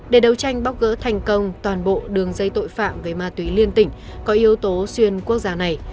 để đấu tranh bóc gỡ thành công toàn bộ đường dây tội phạm về ma túy liên tỉnh có yếu tố xuyên quốc gia này